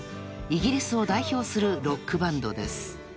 イギリスを代表するロックバンドです］